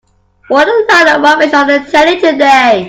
What a load of rubbish on the telly today.